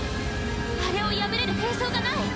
あれを破れる兵装がない！